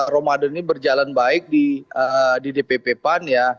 ramadan ini berjalan baik di dpp pan ya